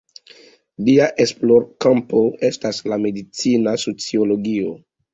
Lia esplorkampo estas la medicina sociologio.